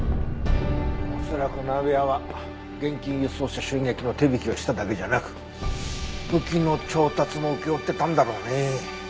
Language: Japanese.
恐らく鍋谷は現金輸送車襲撃の手引きをしただけじゃなく武器の調達も請け負ってたんだろうねえ。